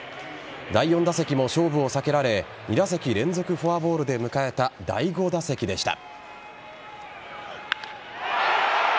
第４打席も勝負を避けられ２打席連続フォアボールで迎えた第５打席でした。